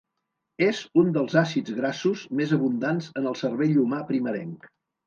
És un dels àcids grassos més abundants en el cervell humà primerenc.